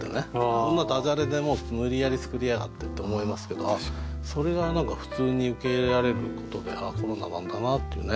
こんなだじゃれで無理やり作りやがってって思いますけどそれが何か普通に受け入れられることで「ああコロナなんだな」っていうね。